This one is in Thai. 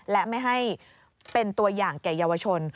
และไม่ให้เป็นตัวอย่างแก่เยาวชน